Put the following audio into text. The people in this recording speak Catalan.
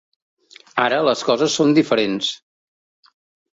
Ara les coses són diferents.